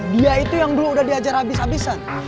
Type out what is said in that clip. dia itu yang dulu udah diajar habis anak kang emus